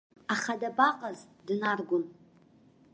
Аха, дабаҟаз, днаргон.